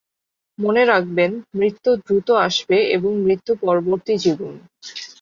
মনে রাখবেন মৃত্যু দ্রুত আসবে এবং মৃত্যু পরবর্তী জীবন।